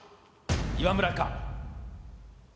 岩村か？